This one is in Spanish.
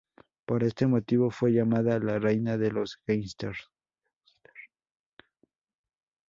Por este motivo, fue llamada "La Reina de los Gángsters".